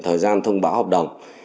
thời gian thông báo hợp đồng